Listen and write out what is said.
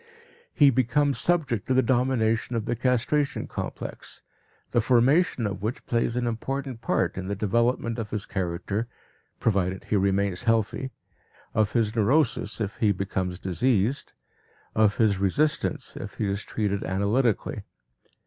He becomes subject to the domination of the castration complex, the formation of which plays an important part in the development of his character, provided he remains healthy; of his neurosis, if he becomes diseased; of his resistance, if he is treated analytically.